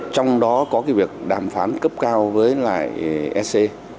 trong đó có cái việc đàm phán cấp cao với lại ec